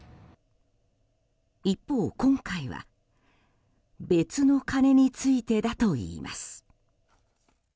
一方、今回は別の金についてだといいます。